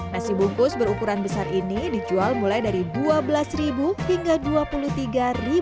nasi bungkus berukuran besar ini dijual mulai dari rp dua belas hingga rp dua puluh tiga